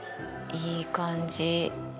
いい感じ。